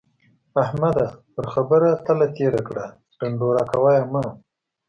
احمده! پر خبره تله تېره کړه ـ ډنډوره کوه يې مه.